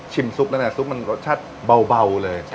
ชิมซุปแล้วเนี่ยซุปมันรสชาติเบาเลย